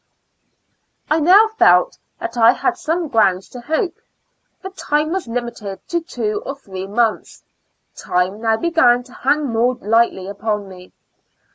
I now felt that I had some grounds to hope; the time was limited to two or three months. Time now began to hang more lightly upon me.